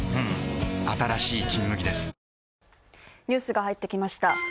ニュースが入ってきました。